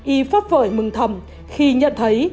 y phấp phởi mừng thầm khi nhận thấy